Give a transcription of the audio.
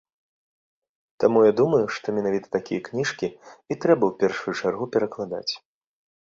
Таму я думаю, што менавіта такія кніжкі і трэба ў першую чаргу перакладаць.